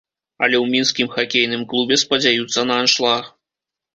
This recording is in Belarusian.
Але ў мінскім хакейным клубе спадзяюцца на аншлаг.